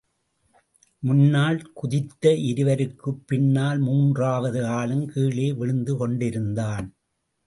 முன்னால் குதித்த இருவருக்கும் பின்னால் மூன்றாவது ஆளும் கீழே விழுந்து கொண்டிருந்தான்.